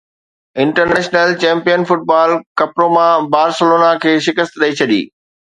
international champion football ڪپروما Barcelona کي شڪست ڏئي ڇڏي